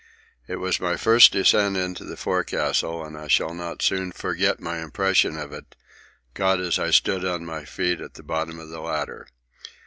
It was my first descent into the forecastle, and I shall not soon forget my impression of it, caught as I stood on my feet at the bottom of the ladder.